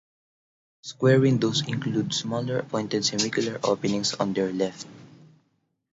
Square windows include smaller pointed semicircular openings on their left.